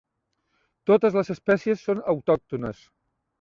Totes les espècies són autòctones.